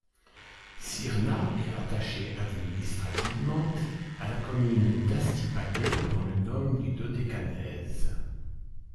Syrna est rattachée administrativement à la commune d’Astypalée dans le nome du Dodécanèse.